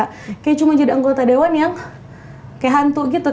kayak cuma jadi anggota dewan yang kayak hantu gitu